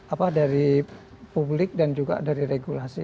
apa dari publik dan juga dari regulasi